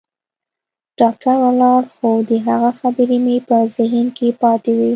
ډاکتر ولاړ خو د هغه خبرې مې په ذهن کښې پاتې وې.